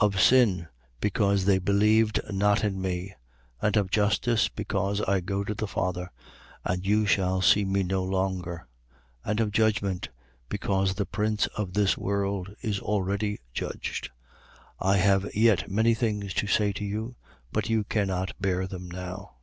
Of sin: because they believed not in me. 16:10. And of justice: because I go to the Father: and you shall see me no longer. 16:11. And of judgment: because the prince of this world is already judged. 16:12. I have yet many things to say to you: but you cannot bear them now.